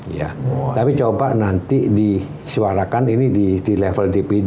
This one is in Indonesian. ya tapi coba nanti disuarakan ini di level dpd